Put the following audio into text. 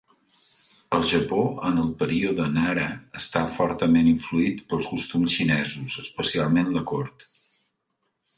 El Japó, en el període Nara està fortament influït pels costums xinesos, especialment la cort.